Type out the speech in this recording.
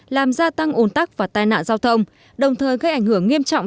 làm gia tăng ồn tắc và tai nạn giao thông đồng thời gây ảnh hưởng nghiêm trọng